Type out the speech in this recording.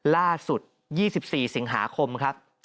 ล่าสุด๒๔สิงหาคมครับ